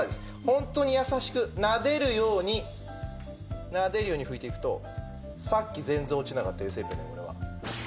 ホントにやさしくなでるようになでるように拭いていくとさっき全然落ちなかった油性ペンの汚れは。